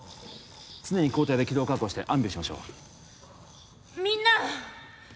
常に交代で気道確保してアンビューしましょうみんな！